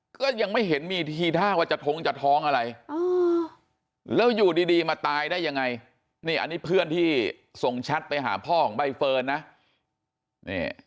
ก็ยังไม่เห็นมีทีท่าว่าจะท้องจะท้องอะไรแล้วอยู่ดีมาตายได้ยังไงนี่อันนี้เพื่อนที่ส่งแชทไปหาพ่อของใบเฟิร์นนะ